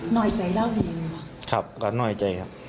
หน่อยใจเล่าดีหรือเปล่าครับครับก็หน่อยใจครับ